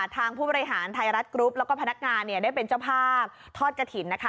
ผู้บริหารไทยรัฐกรุ๊ปแล้วก็พนักงานเนี่ยได้เป็นเจ้าภาพทอดกระถิ่นนะคะ